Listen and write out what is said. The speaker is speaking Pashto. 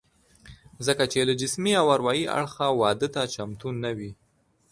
ځکه چې له جسمي او اروايي اړخه واده ته چمتو نه وي